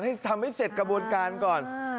ทำให้เสร็จกระบวนการก่อน